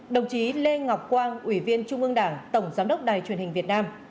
đồng chí lê ngọc quang ủy viên trung ương đảng tổng giám đốc đài truyền hình việt nam